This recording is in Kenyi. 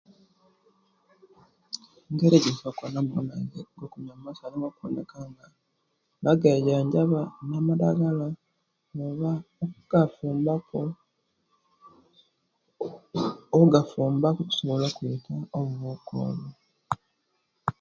Engeri egyetusobola okubona nti amaizi masa niyo okuboneka nti bagaijajamba na'madagalao oba ogafumbaku ogafumbaku okusobola okwiita obuwuka obwo.